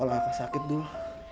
olah kakak sakit dulu